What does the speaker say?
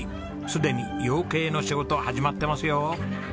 すでに養鶏の仕事始まってますよ。